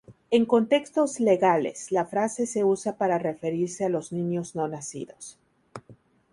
En contextos legales, la frase se usa para referirse a los niños no nacidos.